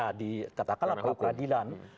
ya di katakanlah peradilan